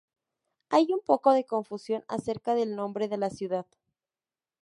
Hay un poco de confusión acerca del nombre de la ciudad.